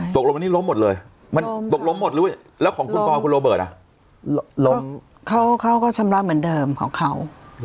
ตกลงวันนี้ล้มหมดเลยแล้วของคุณปอคุณโรเบิร์ตอะเขาก็ชำระเหมือนเดิมของเขา